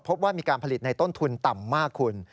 พบว่ามีการผลิตในต้นทุนต่ำมากคุณ